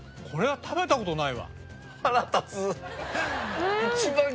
「これは食べた事ないわ」は。